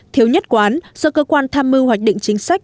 thiếu nhất quán do cơ quan tham mưu hoạch định chính sách